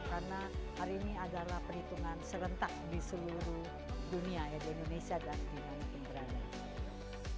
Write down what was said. karena hari ini adalah perhitungan serentak di seluruh dunia di indonesia dan di negara negara